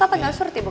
kapan gak surty bu